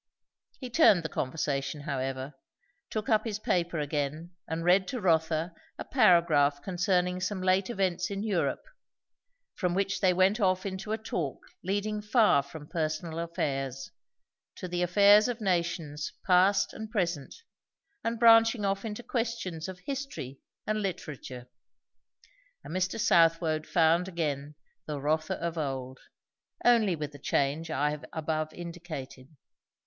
He turned the conversation however, took up his paper again and read to Rotha a paragraph concerning some late events in Europe; from which they went off into a talk leading far from personal affairs, to the affairs of nations past and present, and branching off into questions of history and literature. And Mr. Southwode found again the Rotha of old, only with the change I have above indicated.